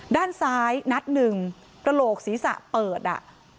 ด้านซ้ายนัดหนึ่งกระโหลกศีรษะเปิดอ่ะ